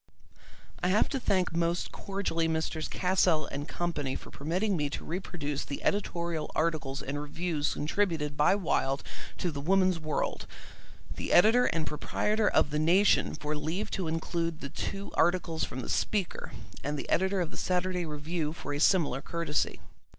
I have to thank most cordially Messrs. Cassell and Company for permitting me to reproduce the editorial articles and reviews contributed by Wilde to the Woman's World; the editor and proprietor of the Nation for leave to include the two articles from the Speaker; and the editor of the Saturday Review for a similar courtesy.